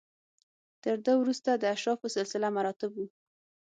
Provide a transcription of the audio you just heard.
تر ده وروسته د اشرافو سلسله مراتب و